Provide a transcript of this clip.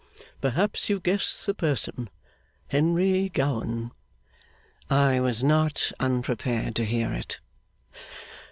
Perhaps you guess the person. Henry Gowan.' 'I was not unprepared to hear it.